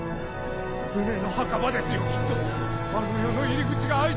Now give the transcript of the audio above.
船の墓場ですよきっとあの世の入り口が開いたんだ！